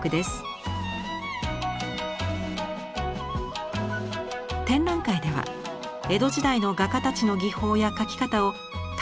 展覧会では江戸時代の画家たちの技法や描き方を楽しみながら体験できます。